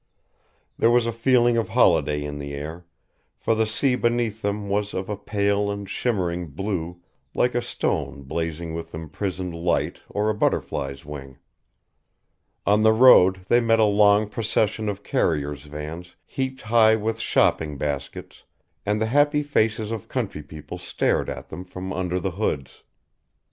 There was a feeling of holiday in the air, for the sea beneath them was of a pale and shimmering blue like a stone blazing with imprisoned light or a butterfly's wing. On the road they met a long procession of carriers' vans heaped high with shopping baskets, and the happy faces of country people stared at them from under the hoods.